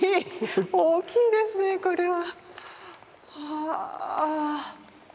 大きいですねこれは。はあ。